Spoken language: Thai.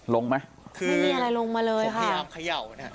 ลงไหมคือมีอะไรลงมาเลยค่ะพยายามขย่าวนะ